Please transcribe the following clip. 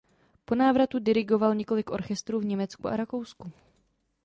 Po návratu dirigoval několik orchestrů v Německu a Rakousku.